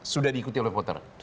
sudah diikuti oleh voter